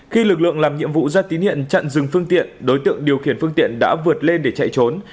khi lực lượng làm nhiệm vụ ra tín hiện chặn dừng phương tiện đối tượng điều khiển phương tiện đã vượt lên để chạy trốn